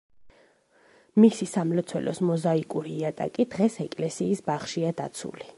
მისი სამლოცველოს მოზაიკური იატაკი დღეს ეკლესიის ბაღშია დაცული.